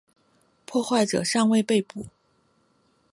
破坏者尚未被捕。